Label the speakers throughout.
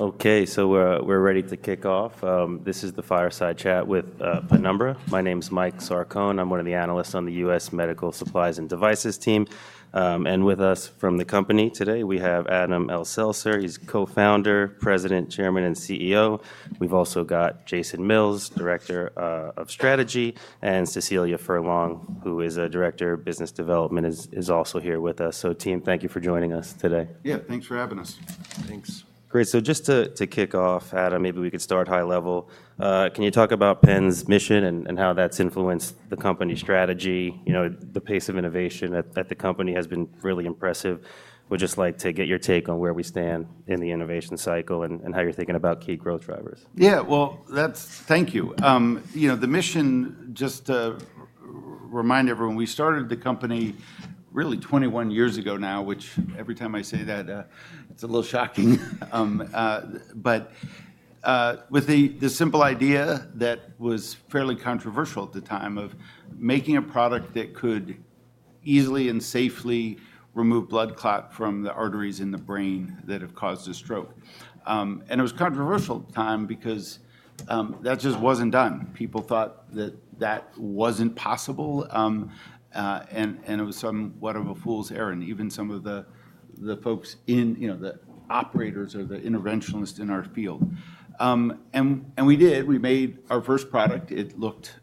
Speaker 1: Okay, so we're ready to kick off. This is the Fireside Chat with Penumbra. My name is Mike Sarcone. I'm one of the analysts on the U.S. Medical Supplies and Devices team. And with us from the company today, we have Adam Elsesser. He's Co-Founder, President, Chairman, and CEO. We've also got Jason Mills, Director of Strategy, and Cecilia Furlong, who is a Director of Business Development, is also here with us. So, team, thank you for joining us today.
Speaker 2: Yeah, thanks for having us.
Speaker 3: Thanks.
Speaker 1: Great. So just to kick off, Adam, maybe we could start high level. Can you talk about Penumbra's mission and how that's influenced the company's strategy? You know, the pace of innovation at the company has been really impressive. We'd just like to get your take on where we stand in the innovation cycle and how you're thinking about key growth drivers.
Speaker 2: Yeah, that's—thank you. You know, the mission, just to remind everyone, we started the company really 21 years ago now, which every time I say that, it's a little shocking. With the simple idea that was fairly controversial at the time of making a product that could easily and safely remove blood clot from the arteries in the brain that have caused a stroke. It was a controversial time because that just wasn't done. People thought that that wasn't possible. It was somewhat of a fool's errand, even some of the folks in, you know, the operators or the interventionalists in our field. We did. We made our first product. It looked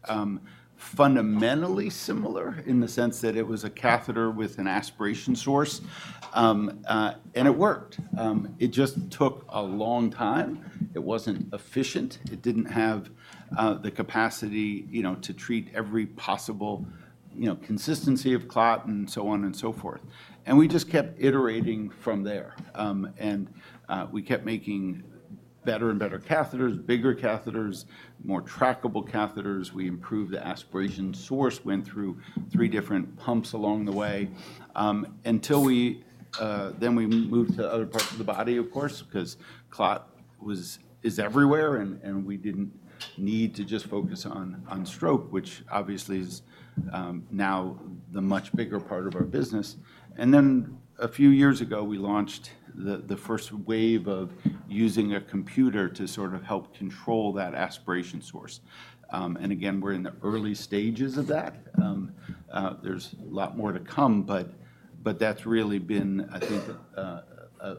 Speaker 2: fundamentally similar in the sense that it was a catheter with an aspiration source. It worked. It just took a long time. It wasn't efficient. It didn't have the capacity, you know, to treat every possible, you know, consistency of clot and so on and so forth. We just kept iterating from there. We kept making better and better catheters, bigger catheters, more trackable catheters. We improved the aspiration source, went through three different pumps along the way, until we moved to other parts of the body, of course, because clot was everywhere. We didn't need to just focus on stroke, which obviously is now the much bigger part of our business. A few years ago, we launched the first wave of using a computer to sort of help control that aspiration source. Again, we're in the early stages of that. There's a lot more to come, but that's really been, I think,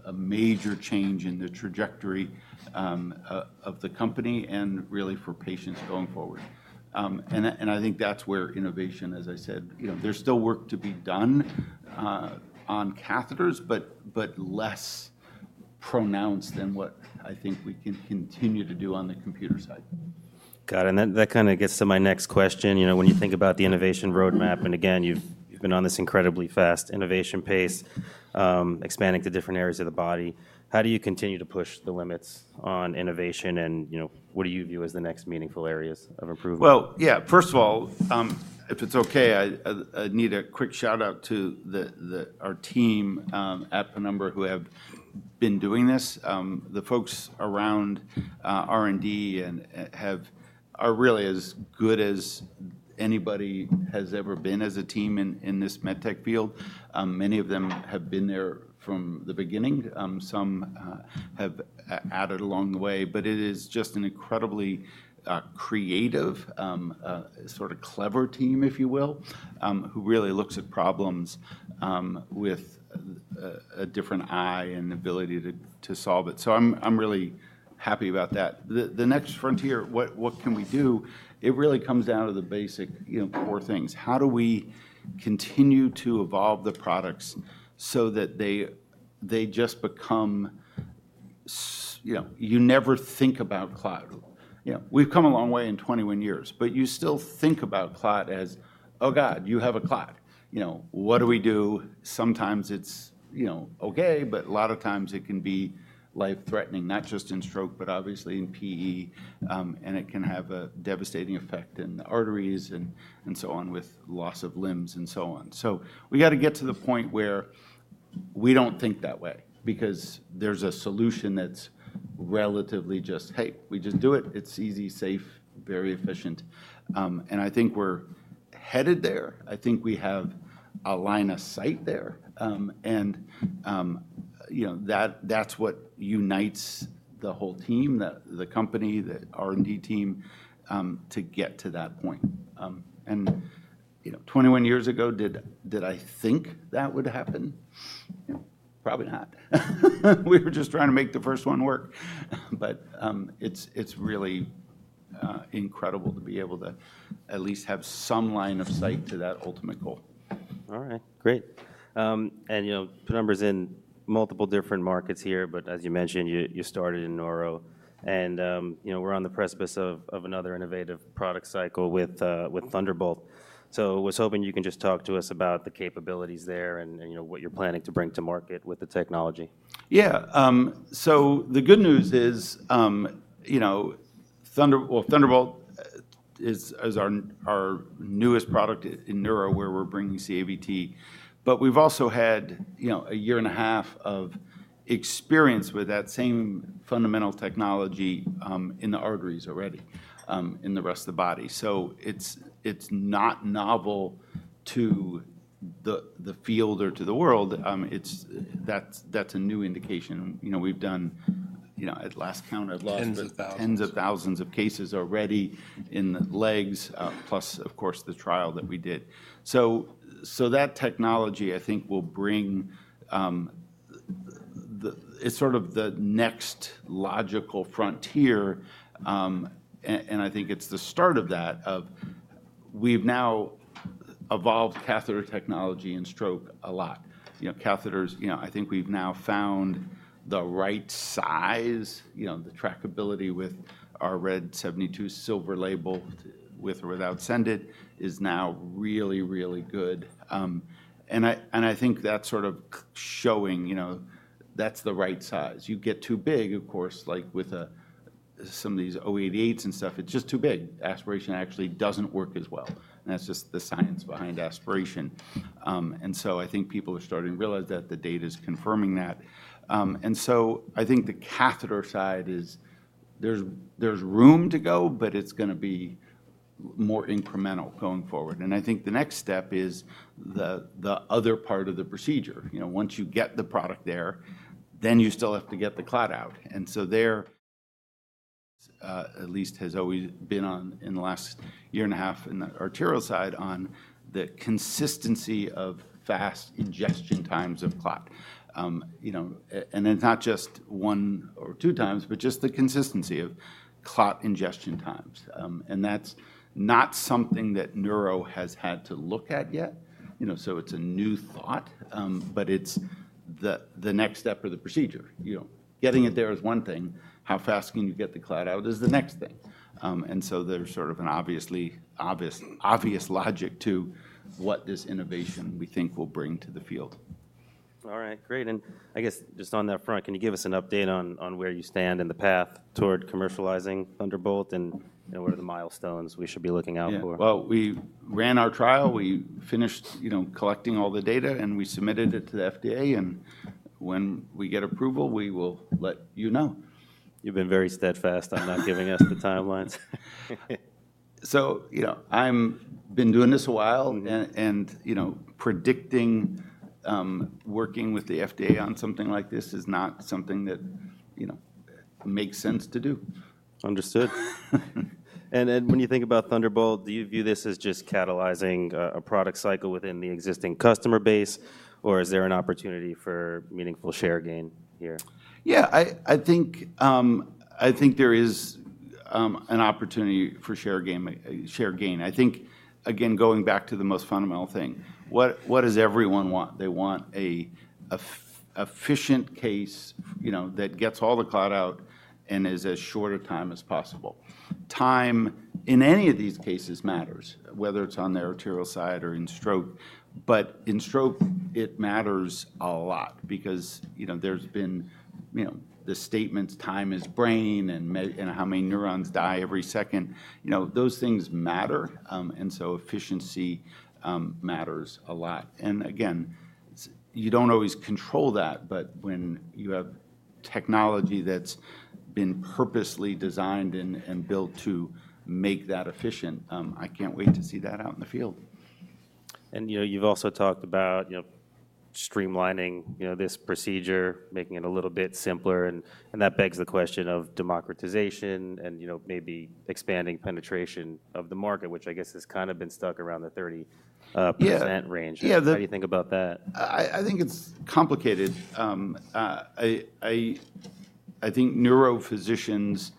Speaker 2: a major change in the trajectory of the company and really for patients going forward. I think that's where innovation, as I said, you know, there's still work to be done on catheters, but less pronounced than what I think we can continue to do on the computer side.
Speaker 1: Got it. That kind of gets to my next question. You know, when you think about the innovation roadmap, and again, you've been on this incredibly fast innovation pace, expanding to different areas of the body, how do you continue to push the limits on innovation? You know, what do you view as the next meaningful areas of improvement?
Speaker 2: First of all, if it's okay, I need a quick shout-out to our team at Penumbra who have been doing this. The folks around R&D are really as good as anybody has ever been as a team in this medtech field. Many of them have been there from the beginning. Some have added along the way. It is just an incredibly creative, sort of clever team, if you will, who really looks at problems with a different eye and ability to solve it. I'm really happy about that. The next frontier, what can we do? It really comes down to the basic, you know, four things. How do we continue to evolve the products so that they just become, you know, you never think about clot? You know, we've come a long way in 21 years, but you still think about clot as, "Oh, God, you have a clot." You know, what do we do? Sometimes it's, you know, okay, but a lot of times it can be life-threatening, not just in stroke, but obviously in PE. It can have a devastating effect in the arteries and so on, with loss of limbs and so on. We got to get to the point where we do not think that way because there's a solution that's relatively just, "Hey, we just do it. It's easy, safe, very efficient." I think we're headed there. I think we have a line of sight there. You know, that's what unites the whole team, the company, the R&D team to get to that point. You know, 21 years ago, did I think that would happen? Probably not. We were just trying to make the first one work. It is really incredible to be able to at least have some line of sight to that ultimate goal.
Speaker 1: All right, great. And, you know, Penumbra's in multiple different markets here, but as you mentioned, you started in Neuro. You know, we're on the precipice of another innovative product cycle with Thunderbolt. I was hoping you can just talk to us about the capabilities there and, you know, what you're planning to bring to market with the technology.
Speaker 2: Yeah. So the good news is, you know, Thunderbolt is our newest product in Neuro where we're bringing CAVT. But we've also had, you know, a year and a half of experience with that same fundamental technology in the arteries already in the rest of the body. So it's not novel to the field or to the world. That's a new indication. You know, we've done, you know, at last count, I've lost.
Speaker 3: Tens of thousands.
Speaker 4: Tens of thousands of cases already in the legs, plus, of course, the trial that we did. That technology, I think, will bring, it's sort of the next logical frontier. I think it's the start of that, of we've now evolved catheter technology in stroke a lot. You know, catheters, you know, I think we've now found the right size, you know, the trackability with our RED 72 SILVER LABEL with or without SENDit is now really, really good. I think that's sort of showing, you know, that's the right size. You get too big, of course, like with some of these 088s and stuff, it's just too big. Aspiration actually doesn't work as well. That's just the science behind aspiration. I think people are starting to realize that the data is confirming that. I think the catheter side is there's room to go, but it's going to be more incremental going forward. I think the next step is the other part of the procedure. You know, once you get the product there, then you still have to get the clot out. There at least has always been on in the last year and a half in the arterial side on the consistency of fast ingestion times of clot. You know, and it's not just one or two times, but just the consistency of clot ingestion times. That's not something that Neuro has had to look at yet. You know, so it's a new thought, but it's the next step of the procedure. You know, getting it there is one thing. How fast can you get the clot out is the next thing. There is sort of an obvious logic to what this innovation we think will bring to the field.
Speaker 1: All right, great. I guess just on that front, can you give us an update on where you stand in the path toward commercializing Thunderbolt and, you know, what are the milestones we should be looking out for?
Speaker 2: Yeah. We ran our trial. We finished, you know, collecting all the data, and we submitted it to the FDA. When we get approval, we will let you know.
Speaker 1: You've been very steadfast on not giving us the timelines.
Speaker 2: You know, I've been doing this a while. And, you know, predicting, working with the FDA on something like this is not something that, you know, makes sense to do.
Speaker 1: Understood. When you think about Thunderbolt, do you view this as just catalyzing a product cycle within the existing customer base, or is there an opportunity for meaningful share gain here?
Speaker 2: Yeah, I think there is an opportunity for share gain. I think, again, going back to the most fundamental thing, what does everyone want? They want an efficient case, you know, that gets all the clot out and is as short a time as possible. Time in any of these cases matters, whether it's on the arterial side or in stroke. In stroke, it matters a lot because, you know, there's been, you know, the statements, time is brain and how many neurons die every second. You know, those things matter. Efficiency matters a lot. Again, you don't always control that, but when you have technology that's been purposely designed and built to make that efficient, I can't wait to see that out in the field.
Speaker 1: You know, you've also talked about, you know, streamlining, you know, this procedure, making it a little bit simpler. That begs the question of democratization and, you know, maybe expanding penetration of the market, which I guess has kind of been stuck around the 30% range.
Speaker 2: Yeah.
Speaker 1: How do you think about that?
Speaker 2: I think it's complicated. I think neurophysicians,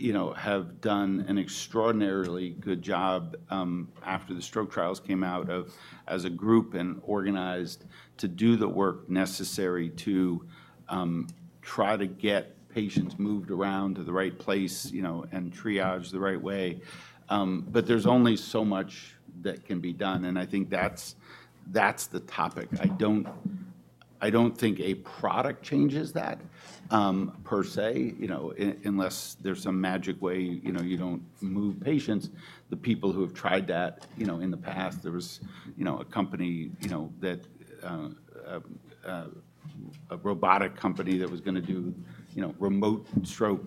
Speaker 2: you know, have done an extraordinarily good job after the stroke trials came out of, as a group and organized, to do the work necessary to try to get patients moved around to the right place, you know, and triage the right way. There's only so much that can be done. I think that's the topic. I don't think a product changes that per se, you know, unless there's some magic way, you know, you don't move patients. The people who have tried that, you know, in the past, there was, you know, a company, you know, that a robotic company that was going to do, you know, remote stroke.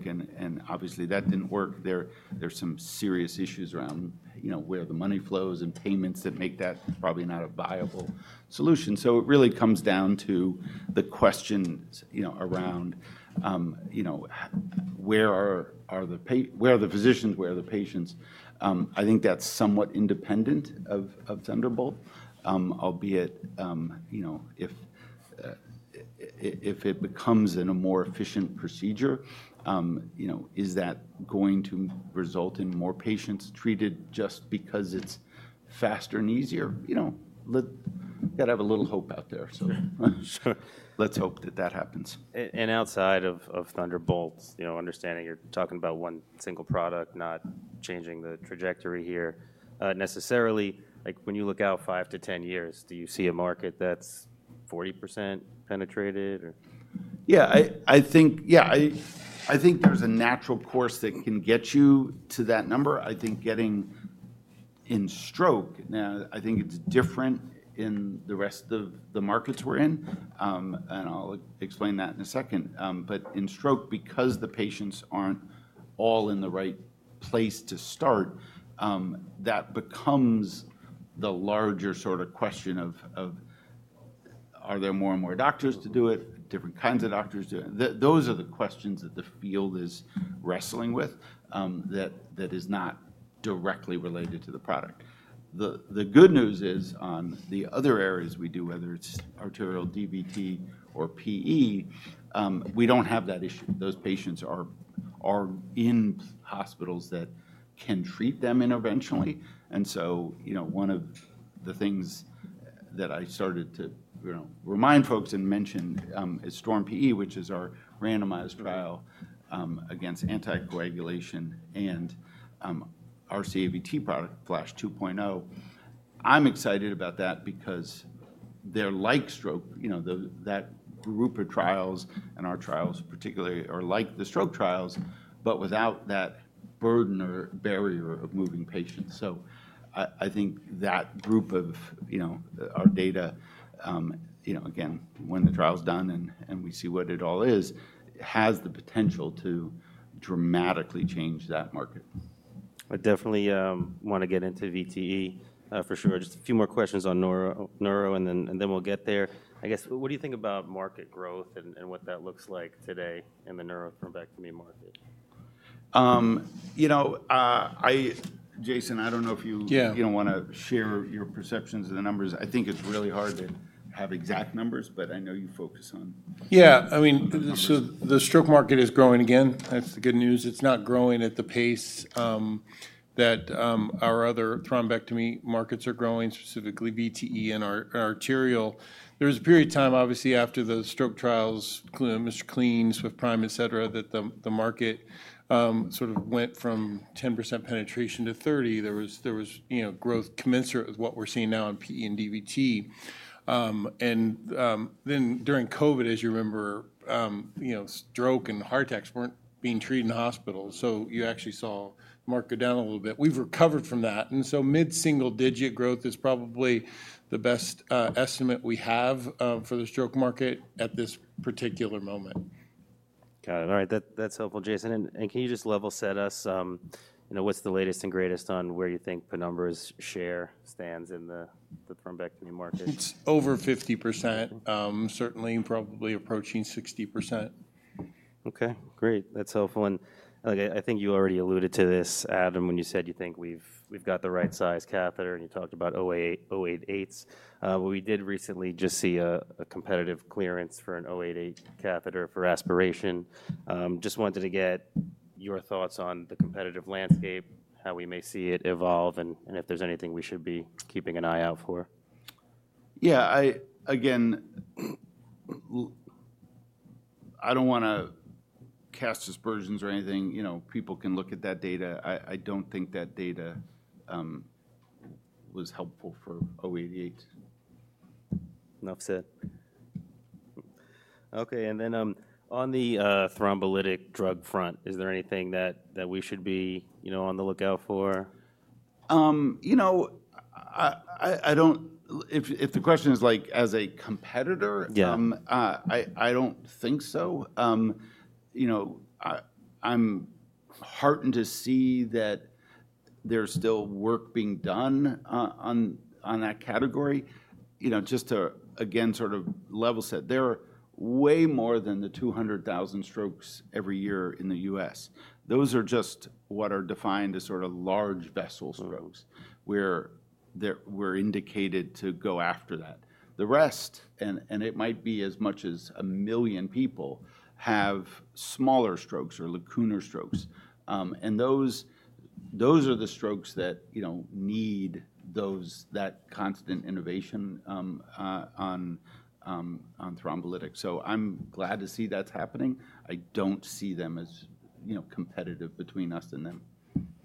Speaker 2: Obviously, that didn't work. There are some serious issues around, you know, where the money flows and payments that make that probably not a viable solution. It really comes down to the question, you know, around, you know, where are the physicians, where are the patients? I think that's somewhat independent of Thunderbolt, albeit, you know, if it becomes a more efficient procedure, you know, is that going to result in more patients treated just because it's faster and easier? You know, you got to have a little hope out there. Let's hope that that happens.
Speaker 1: Outside of Thunderbolt, you know, understanding you're talking about one single product, not changing the trajectory here necessarily, like when you look out five to ten years, do you see a market that's 40% penetrated or?
Speaker 2: Yeah, I think, yeah, I think there's a natural course that can get you to that number. I think getting in stroke, now, I think it's different in the rest of the markets we're in. I will explain that in a second. In stroke, because the patients aren't all in the right place to start, that becomes the larger sort of question of, are there more and more doctors to do it, different kinds of doctors to do it? Those are the questions that the field is wrestling with that is not directly related to the product. The good news is on the other areas we do, whether it's arterial, DVT, or PE, we don't have that issue. Those patients are in hospitals that can treat them interventionally. You know, one of the things that I started to, you know, remind folks and mention is STORM-PE, which is our randomized trial against anticoagulation and our CAVT product Flash 2.0. I'm excited about that because they're like stroke, you know, that group of trials and our trials particularly are like the stroke trials, but without that burden or barrier of moving patients. I think that group of, you know, our data, you know, again, when the trial's done and we see what it all is, has the potential to dramatically change that market.
Speaker 1: I definitely want to get into VTE for sure. Just a few more questions on Neuro, and then we'll get there. I guess, what do you think about market growth and what that looks like today in the neurothrombectomy market?
Speaker 2: You know, Jason, I don't know if you don't want to share your perceptions of the numbers. I think it's really hard to have exact numbers, but I know you focus on.
Speaker 3: Yeah, I mean, so the stroke market is growing again. That's the good news. It's not growing at the pace that our other thrombectomy markets are growing, specifically VTE and arterial. There was a period of time, obviously, after the stroke trials, MR CLEAN, SWIFT PRIME, et cetera, that the market sort of went from 10% penetration to 30%. There was, you know, growth commensurate with what we're seeing now in PE and DVT. And then during COVID, as you remember, you know, stroke and heart attacks weren't being treated in hospitals. You actually saw the market go down a little bit. We've recovered from that. Mid-single digit growth is probably the best estimate we have for the stroke market at this particular moment.
Speaker 1: Got it. All right, that's helpful, Jason. Can you just level set us, you know, what's the latest and greatest on where you think Penumbra's share stands in the thrombectomy market?
Speaker 3: It's over 50%, certainly probably approaching 60%.
Speaker 1: Okay, great. That's helpful. I think you already alluded to this, Adam, when you said you think we've got the right size catheter and you talked about 088s. We did recently just see a competitive clearance for an 088 catheter for aspiration. Just wanted to get your thoughts on the competitive landscape, how we may see it evolve, and if there's anything we should be keeping an eye out for.
Speaker 2: Yeah, again, I don't want to cast aspersions or anything. You know, people can look at that data. I don't think that data was helpful for 088. No offset.
Speaker 1: Okay, and then on the thrombolytic drug front, is there anything that we should be, you know, on the lookout for?
Speaker 2: You know, I don't, if the question is like as a competitor, I don't think so. You know, I'm heartened to see that there's still work being done on that category. You know, just to, again, sort of level set, there are way more than the 200,000 strokes every year in the U.S. Those are just what are defined as sort of large vessel strokes where we're indicated to go after that. The rest, and it might be as much as a million people, have smaller strokes or lacunar strokes. And those are the strokes that, you know, need that constant innovation on thrombolytics. So I'm glad to see that's happening. I don't see them as, you know, competitive between us and them.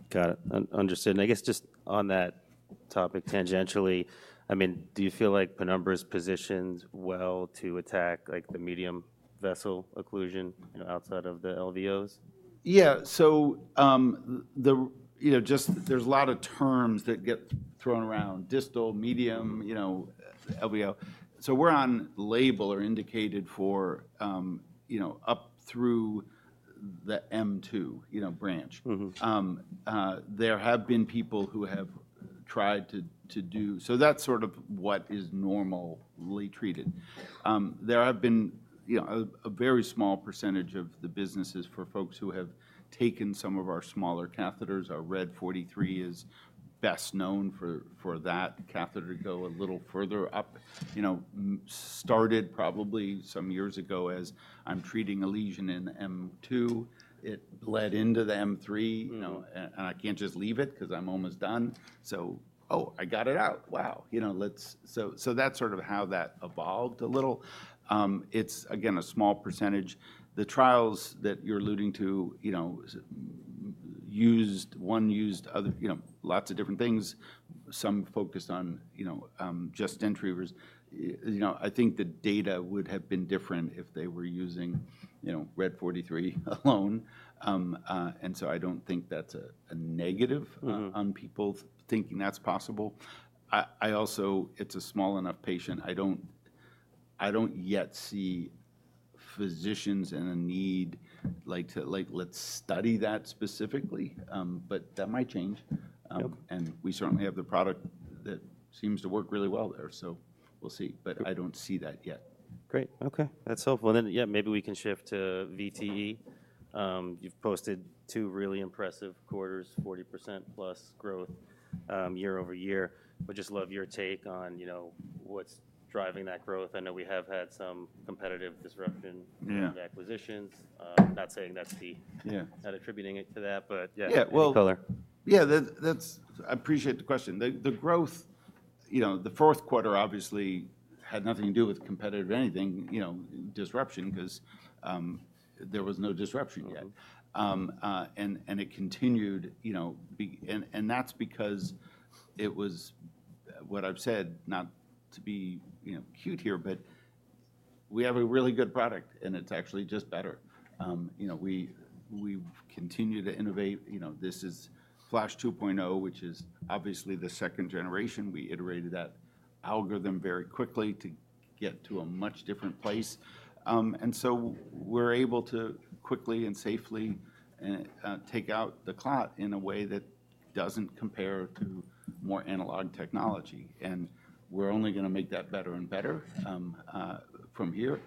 Speaker 1: Got it. Understood. I guess just on that topic tangentially, I mean, do you feel like Penumbra's positioned well to attack like the medium vessel occlusion, you know, outside of the LVOs?
Speaker 2: Yeah, so the, you know, just there's a lot of terms that get thrown around, distal, medium, you know, LVO. We're on label or indicated for, you know, up through the M2, you know, branch. There have been people who have tried to do, so that's sort of what is normally treated. There have been, you know, a very small percentage of the business for folks who have taken some of our smaller catheters. Our RED 43 is best known for that catheter to go a little further up. You know, started probably some years ago as I'm treating a lesion in M2, it bled into the M3, you know, and I can't just leave it because I'm almost done. So, oh, I got it out. Wow. You know, that's sort of how that evolved a little. It's, again, a small percentage. The trials that you're alluding to, you know, used, one used, you know, lots of different things. Some focused on, you know, just intravenous. You know, I think the data would have been different if they were using, you know, RED 43 alone. And so I don't think that's a negative on people thinking that's possible. I also, it's a small enough patient. I don't yet see physicians in a need like to, like let's study that specifically, but that might change. And we certainly have the product that seems to work really well there. So we'll see, but I don't see that yet.
Speaker 1: Great. Okay, that's helpful. Yeah, maybe we can shift to VTE. You've posted two really impressive quarters, 40% plus growth year-over-year. Just love your take on, you know, what's driving that growth. I know we have had some competitive disruption in the acquisitions. Not saying that's the, not attributing it to that, but yeah, your color.
Speaker 2: Yeah, that's, I appreciate the question. The growth, you know, the fourth quarter obviously had nothing to do with competitive or anything, you know, disruption because there was no disruption yet. It continued, you know, and that's because it was what I've said, not to be, you know, cute here, but we have a really good product and it's actually just better. You know, we continue to innovate. You know, this is Flash 2.0, which is obviously the second generation. We iterated that algorithm very quickly to get to a much different place. We are able to quickly and safely take out the clot in a way that doesn't compare to more analog technology. We are only going to make that better and better from here.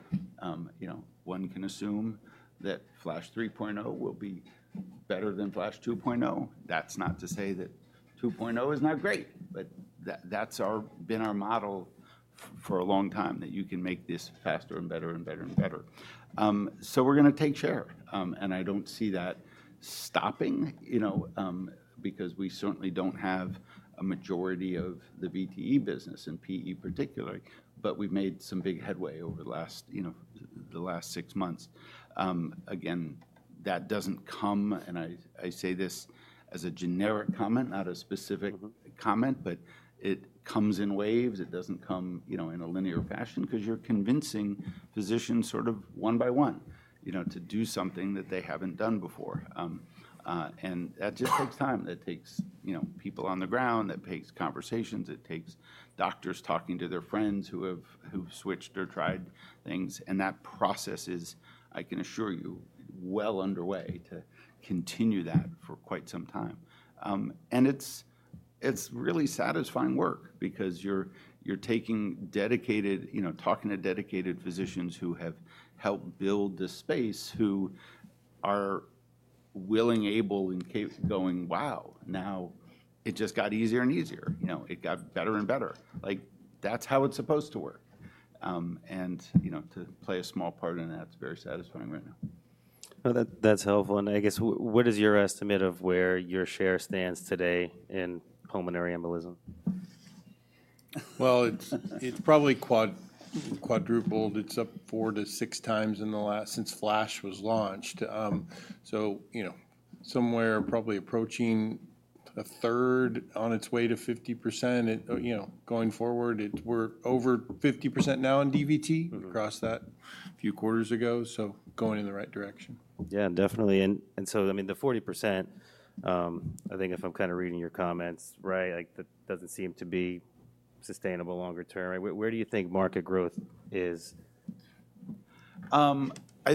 Speaker 2: You know, one can assume that Flash 3.0 will be better than Flash 2.0. That's not to say that 2.0 is not great, but that's been our model for a long time that you can make this faster and better and better and better. We are going to take share. I don't see that stopping, you know, because we certainly don't have a majority of the VTE business in PE particularly, but we've made some big headway over the last, you know, the last six months. Again, that doesn't come, and I say this as a generic comment, not a specific comment, but it comes in waves. It doesn't come, you know, in a linear fashion because you're convincing physicians sort of one by one, you know, to do something that they haven't done before. That just takes time. That takes, you know, people on the ground. That takes conversations. It takes doctors talking to their friends who have switched or tried things. That process is, I can assure you, well underway to continue that for quite some time. It's really satisfying work because you're talking to dedicated physicians who have helped build this space, who are willing, able, and going, wow, now it just got easier and easier. You know, it got better and better. Like that's how it's supposed to work. You know, to play a small part in that's very satisfying right now.
Speaker 1: That's helpful. I guess, what is your estimate of where your share stands today in pulmonary embolism?
Speaker 3: It's probably quadrupled. It's up four- to six-times in the last since Flash was launched. You know, somewhere probably approaching a third on its way to 50%, you know, going forward. We're over 50% now in DVT across that few quarters ago. Going in the right direction.
Speaker 1: Yeah, definitely. I mean, the 40%, I think if I'm kind of reading your comments right, like that doesn't seem to be sustainable longer term. Where do you think market growth is?
Speaker 2: I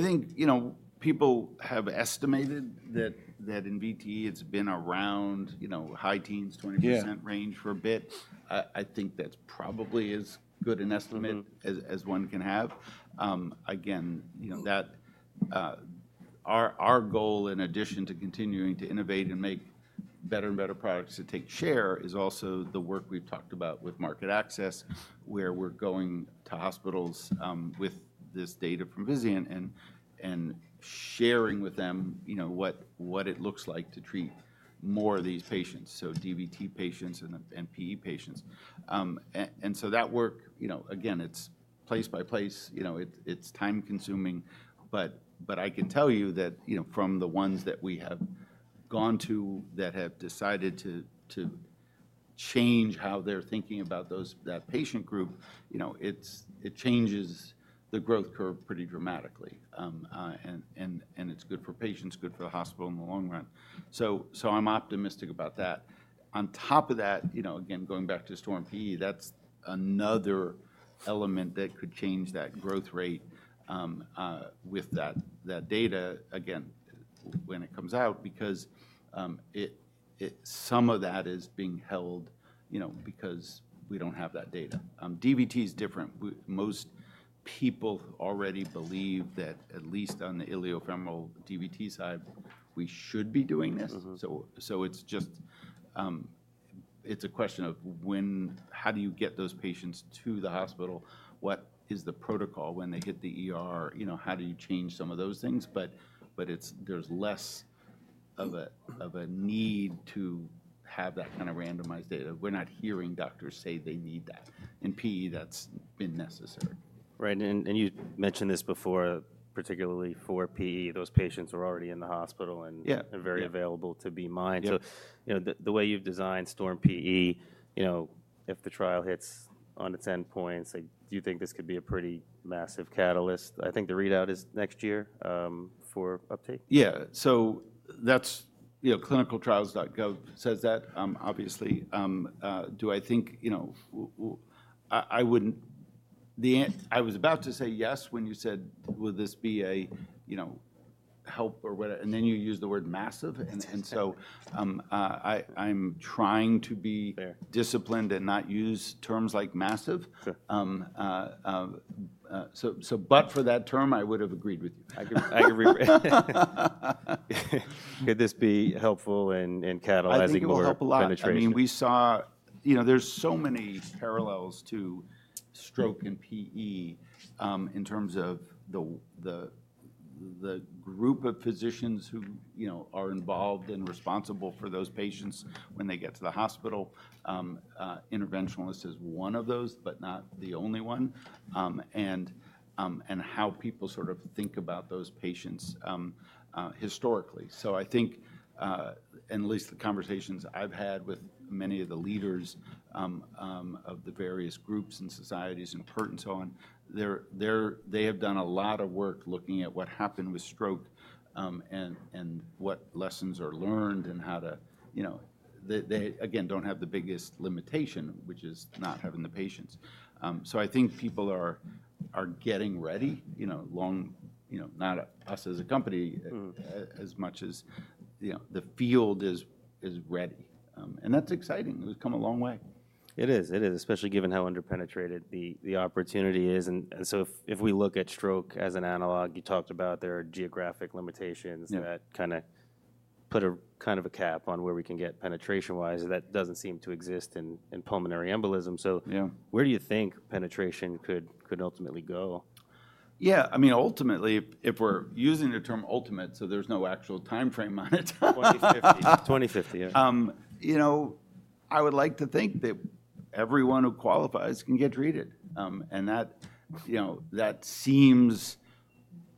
Speaker 2: think, you know, people have estimated that in VTE it's been around, you know, high teens, 20% range for a bit. I think that's probably as good an estimate as one can have. Again, you know, our goal, in addition to continuing to innovate and make better and better products to take share, is also the work we've talked about with market access, where we're going to hospitals with this data from Vizient and sharing with them, you know, what it looks like to treat more of these patients, so DVT patients and PE patients. That work, you know, again, it's place by place. You know, it's time-consuming. I can tell you that, you know, from the ones that we have gone to that have decided to change how they're thinking about that patient group, you know, it changes the growth curve pretty dramatically. It is good for patients, good for the hospital in the long run. I am optimistic about that. On top of that, you know, again, going back to STORM-PE, that is another element that could change that growth rate with that data, again, when it comes out, because some of that is being held, you know, because we do not have that data. DVT is different. Most people already believe that at least on the iliofemoral DVT side, we should be doing this. It is just a question of when, how do you get those patients to the hospital? What is the protocol when they hit the, you know, how do you change some of those things? There is less of a need to have that kind of randomized data. We are not hearing doctors say they need that. In PE, that has been necessary.
Speaker 1: Right. You mentioned this before, particularly for PE, those patients are already in the hospital and very available to be mined. You know, the way you've designed STORM-PE, you know, if the trial hits on its endpoints, do you think this could be a pretty massive catalyst? I think the readout is next year for uptake.
Speaker 2: Yeah. So that's, you know, clinicaltrials.gov says that, obviously. Do I think, you know, I wouldn't, I was about to say yes when you said, will this be a, you know, help or whatever, and then you use the word massive. I am trying to be disciplined and not use terms like massive. For that term, I would have agreed with you. I could rewrite it.
Speaker 1: Could this be helpful in catalyzing more penetrations?
Speaker 2: I think it will help a lot. I mean, we saw, you know, there's so many parallels to stroke and PE in terms of the group of physicians who, you know, are involved and responsible for those patients when they get to the hospital. Interventionalist is one of those, but not the only one. How people sort of think about those patients historically. I think, and at least the conversations I've had with many of the leaders of the various groups and societies in Perth and so on, they have done a lot of work looking at what happened with stroke and what lessons are learned and how to, you know, they again don't have the biggest limitation, which is not having the patients. I think people are getting ready, you know, long, you know, not us as a company as much as, you know, the field is ready. And that's exciting. We've come a long way.
Speaker 1: It is. It is, especially given how underpenetrated the opportunity is. If we look at stroke as an analog, you talked about there are geographic limitations that kind of put a kind of a cap on where we can get penetration-wise. That does not seem to exist in pulmonary embolism. Where do you think penetration could ultimately go?
Speaker 4: Yeah. I mean, ultimately, if we're using the term ultimate, so there's no actual timeframe on it, 2050.
Speaker 1: 2050, yeah.
Speaker 4: You know, I would like to think that everyone who qualifies can get treated. That, you know, that seems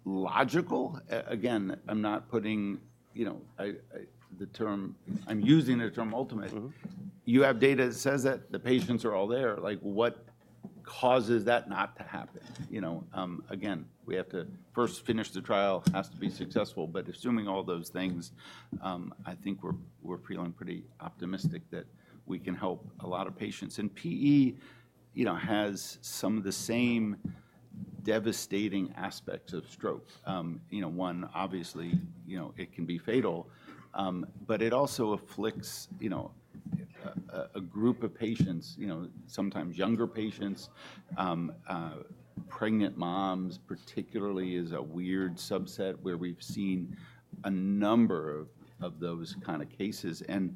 Speaker 4: logical. Again, I'm not putting, you know, the term, I'm using the term ultimate. You have data that says that the patients are all there. Like what causes that not to happen? You know, again, we have to first finish the trial, has to be successful. Assuming all those things, I think we're feeling pretty optimistic that we can help a lot of patients. PE, you know, has some of the same devastating aspects of stroke. You know, one, obviously, you know, it can be fatal. It also afflicts, you know, a group of patients, you know, sometimes younger patients. Pregnant moms particularly is a weird subset where we've seen a number of those kind of cases. You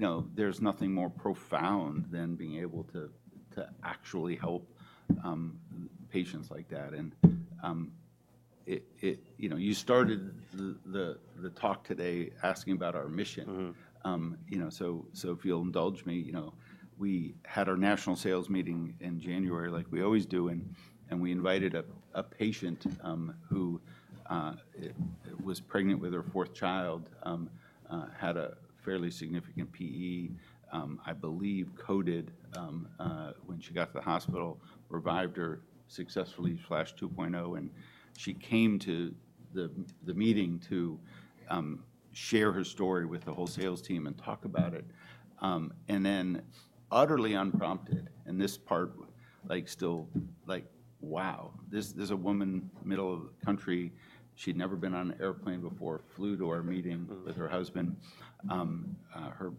Speaker 4: know, there's nothing more profound than being able to actually help patients like that. You started the talk today asking about our mission. If you'll indulge me, we had our national sales meeting in January, like we always do. We invited a patient who was pregnant with her fourth child, had a fairly significant PE, I believe coded when she got to the hospital, revived her successfully Flash 2.0. She came to the meeting to share her story with the whole sales team and talk about it. Utterly unprompted, and this part like still like, wow, this is a woman middle of the country. She'd never been on an airplane before, flew to our meeting with her husband. Her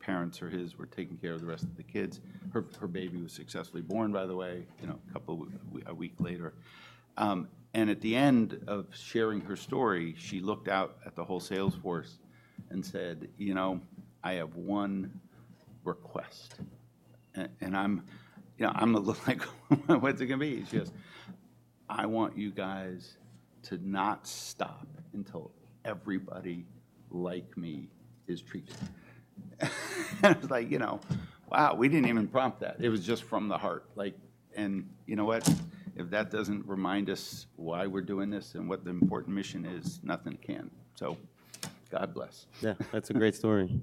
Speaker 4: parents or his were taking care of the rest of the kids. Her baby was successfully born, by the way, you know, a couple a week later. At the end of sharing her story, she looked out at the whole sales force and said, you know, I have one request. I'm, you know, I'm like, what's it going to be? She goes, I want you guys to not stop until everybody like me is treated. I was like, you know, wow, we didn't even prompt that. It was just from the heart. Like, and you know what? If that doesn't remind us why we're doing this and what the important mission is, nothing can. God bless.
Speaker 1: Yeah. That's a great story.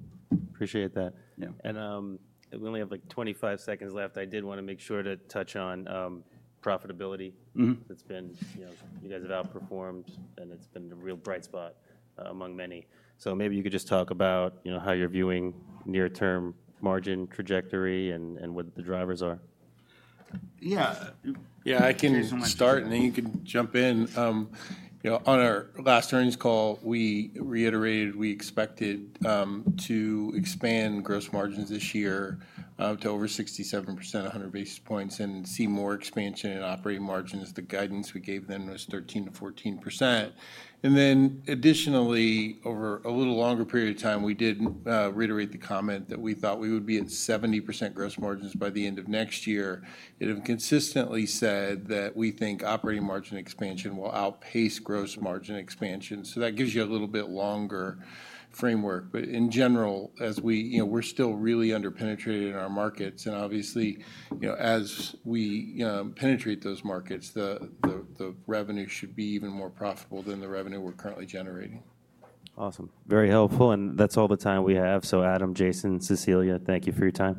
Speaker 1: Appreciate that. We only have like 25 seconds left. I did want to make sure to touch on profitability. It's been, you know, you guys have outperformed and it's been a real bright spot among many. Maybe you could just talk about, you know, how you're viewing near-term margin trajectory and what the drivers are.
Speaker 2: Yeah.
Speaker 3: Yeah, I can start and then you can jump in. You know, on our last earnings call, we reiterated we expected to expand gross margins this year to over 67%, 100 basis points, and see more expansion in operating margins. The guidance we gave them was 13%-14%. And then additionally, over a little longer period of time, we did reiterate the comment that we thought we would be at 70% gross margins by the end of next year. It had consistently said that we think operating margin expansion will outpace gross margin expansion. That gives you a little bit longer framework. But in general, as we, you know, we're still really underpenetrated in our markets. And obviously, you know, as we penetrate those markets, the revenue should be even more profitable than the revenue we're currently generating.
Speaker 1: Awesome. Very helpful. That's all the time we have. Adam, Jason, Cecilia, thank you for your time.